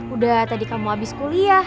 udah tadi kamu habis kuliah